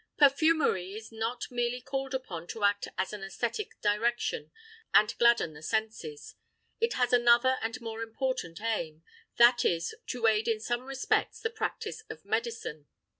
Perfumery is not merely called upon to act in an æsthetic direction and gladden the senses; it has another and more important aim, that is, to aid in some respects the practice of medicine.